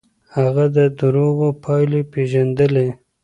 هغه د دروغو پايلې پېژندلې.